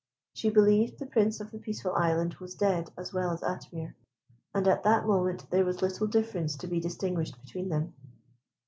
She believed the Prince of the Peaceful Island was dead as well as Atimir, and at that moment there was little difference to be distinguished between them.